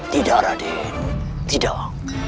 tidak raden tidak